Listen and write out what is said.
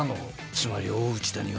つまり大内田には。